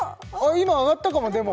今上がったかもでも・